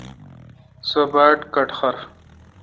سو باڑ کٹخر۔